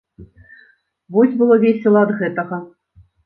Вось было весела ад гэтага.